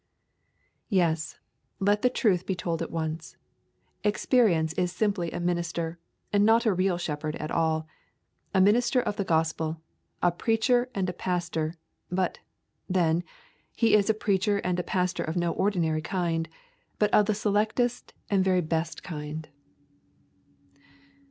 Yes, let the truth be told at once, Experience is simply a minister, and not a real shepherd at all; a minister of the gospel, a preacher, and a pastor; but, then, he is a preacher and a pastor of no ordinary kind, but of the selectest and very best kind.